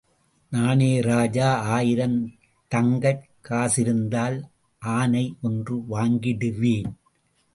நானே ராஜா ஆயிரம் தங்கக் காசிருந்தால் ஆனை ஒன்று வாங்கிடுவேன்.